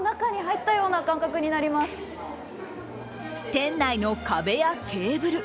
店内の壁やテーブル